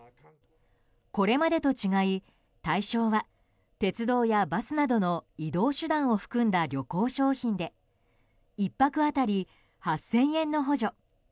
これまでと違い対象は鉄道やバスなどの移動手段を含んだ旅行商品で１泊当たり８０００円の補助。